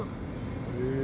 へえ。